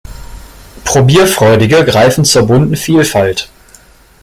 Probierfreudige greifen zur bunten Vielfalt.